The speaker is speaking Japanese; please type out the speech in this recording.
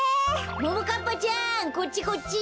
ももかっぱちゃんこっちこっち！